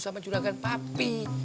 sama juragan papi